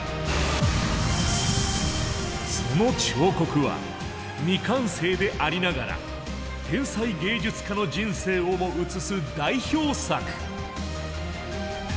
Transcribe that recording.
その彫刻は未完成でありながら天才芸術家の人生をも映す代表作。